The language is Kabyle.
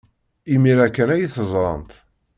Imir-a kan ay t-ẓrant.